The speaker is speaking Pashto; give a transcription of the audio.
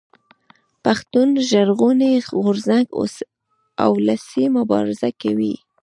پښتون ژغورني غورځنګ اولسي مبارزه کوي